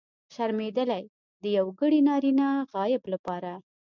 شرمېدلی! د یوګړي نرينه غایب لپاره.